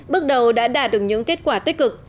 bước đầu đã đạt được những kết quả tích cực